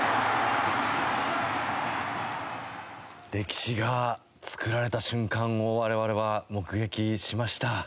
歴史が作られた瞬間を我々は目撃しました。